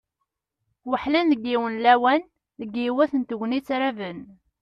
Weḥlen deg yiwen n lawan, deg yiwet n tegnit raben.